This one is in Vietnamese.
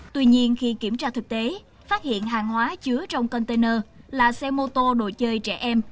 tuy nhiên khi kiểm tra thực tế phát hiện hàng hóa chứa trong container là xe mô tô đồ chơi trẻ em